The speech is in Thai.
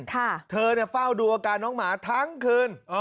เธอเนี่ยเฝ้าดูอาการน้องหมาทั้งคืน